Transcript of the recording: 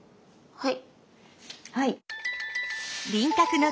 はい。